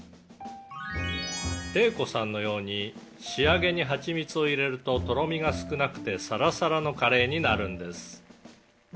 「玲子さんのように仕上げにはちみつを入れるととろみが少なくてサラサラのカレーになるんです」